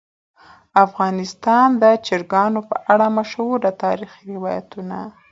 افغانستان د چرګانو په اړه مشهور تاریخی روایتونه.